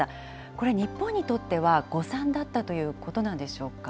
これ日本にとっては、誤算だったということなんでしょうか？